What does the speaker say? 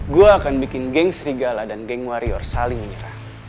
gue akan bikin geng serigala dan geng warrior saling menyerah